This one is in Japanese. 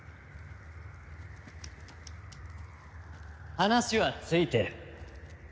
話はついてる。